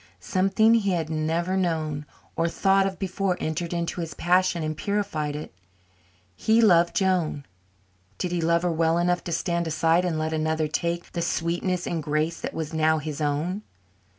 Something he had never known or thought of before entered into his passion and purified it. He loved Joan. Did he love her well enough to stand aside and let another take the sweetness and grace that was now his own?